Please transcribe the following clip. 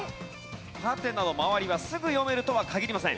ハテナの周りはすぐ読めるとは限りません。